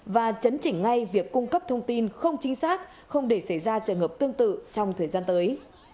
và chấn chỉnh ngay việc cung cấp thông tin không chính xác không để xảy ra trường hợp tương tự trong thời gian tới